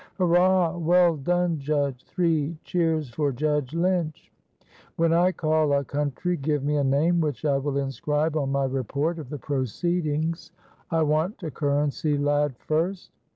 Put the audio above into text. "Hurrah! Well done, judge. Three cheers for Judge Lynch!" "When I call a country, give me a name, which I will inscribe on my report of the proceedings. I want a currency lad first."